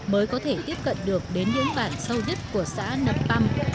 mới có thể tiếp cận được đến những vạn sâu nhất của xã nập tâm